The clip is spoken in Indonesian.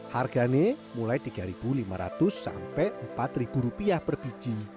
harganya mulai rp tiga lima ratus sampai rp empat per biji